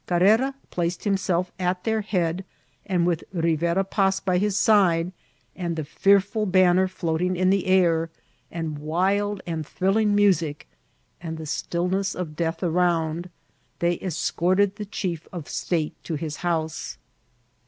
Carrera placed himself at their head, and with Bivera Pas by his side, and the fearful banner float ing in the air, and wild and thrilling music, and the stillness of death around, they escorted the chief of fbe state to his house.